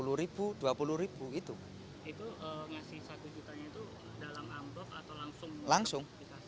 itu ngasih satu jutanya itu dalam amblok atau langsung